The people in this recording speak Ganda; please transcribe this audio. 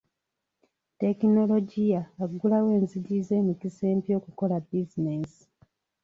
Tekinologiya aggulawo enzigi z'emikisa empya okukola bizinensi.